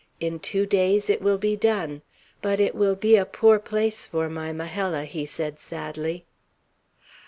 In two days it will be done. But it will be a poor place for my Majella," he said sadly.